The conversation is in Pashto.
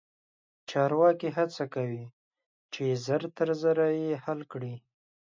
چارواکي هڅه کوي چې ژر تر ژره یې حل کړي.